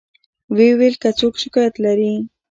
و یې ویل که څوک شکایت لري.